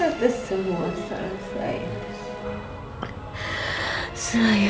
atas semua salah saya